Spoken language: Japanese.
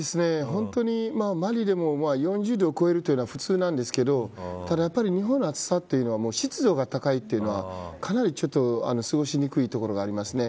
本当に、マリでも４０度を超えるというのは普通ですがただ日本の暑さというのは湿度が高いというのがかなりちょっと過ごしにくいところがありますね。